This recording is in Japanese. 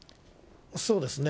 そうですね。